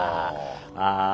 ああ。